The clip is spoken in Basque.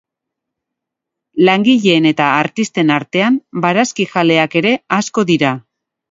Langileen eta artisten artean barazkijaleak ere asko dira.